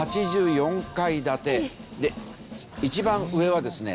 ８４階建てで一番上はですね